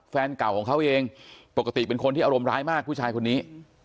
แฟนเก่าของเขาเองปกติเป็นคนที่อารมณ์ร้ายมากผู้ชายคนนี้